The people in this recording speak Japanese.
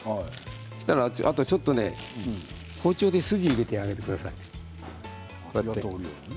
あとはちょっと包丁で筋を入れてあげてください。